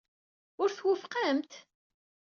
Ur twufqemt?